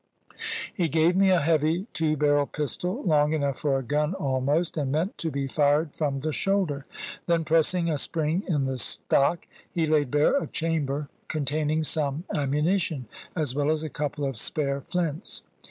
He gave me a heavy two barrelled pistol, long enough for a gun almost, and meant to be fired from the shoulder. Then pressing a spring in the stock, he laid bare a chamber containing some ammunition, as well as a couple of spare flints.